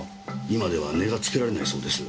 今では値がつけられないそうです。